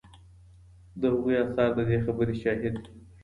د هغوی اثار د دې خبرې شاهد دي